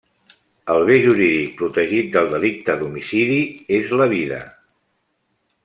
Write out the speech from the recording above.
El bé jurídic protegit del delicte d'homicidi és la vida.